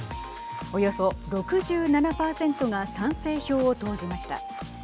およそ６７％が賛成票を投じました。